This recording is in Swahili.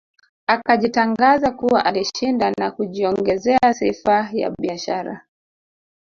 Akajitangaza kuwa alishinda na kujiongezea sifa ya biashara